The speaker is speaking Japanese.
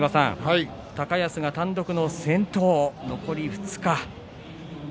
高安が単独の先頭、残り２日。